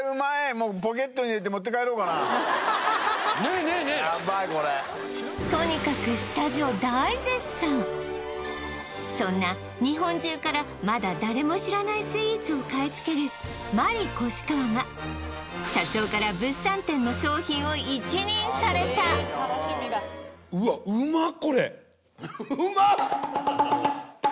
もう・ねえねえねえヤバいこれとにかくそんな日本中からまだ誰も知らないスイーツを買い付けるマリ・コシカワが社長から物産展の商品を一任されたうわっうまっ！